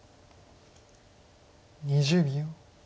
２０秒。